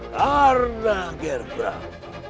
karena ger prabu